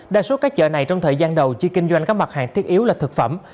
đa số các chợ này trong thời gian đầu chỉ kinh doanh các mặt hàng thiết yếu là thực phẩm